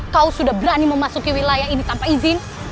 kau sudah berani memasuki wilayah ini tanpa izin